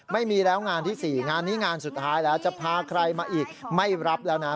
ไม่มีแล้วงานที่๔งานนี้งานสุดท้ายแล้วจะพาใครมาอีกไม่รับแล้วนะ